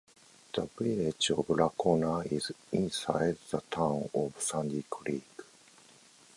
The Village of Lacona is inside the Town of Sandy Creek.